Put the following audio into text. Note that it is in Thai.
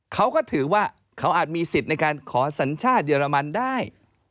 เขาก็ถือว่าเขาอาจมีสิทธิ์ในการขอสัญชาติเยอรมันได้